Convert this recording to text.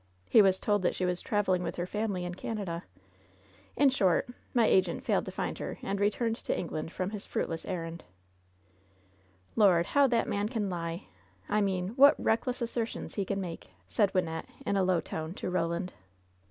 He was told that she was traveling with her family in Canada. In short, my agent failed to find her, and re turned to England from his fruitless errand," *^Lord ! how that man can lie !— ^I mean, what recHess assertions he can make !" said Wynnette, in a low tone, to Roland.